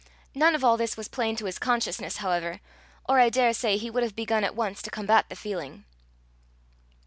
None of all this was plain to his consciousness, however, or I daresay he would have begun at once to combat the feeling.